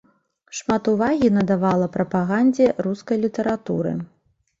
Шмат увагі надавала прапагандзе рускай літаратуры.